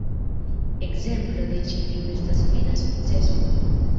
Ekzemplo de ĉi tio estas "Fina Sukceso".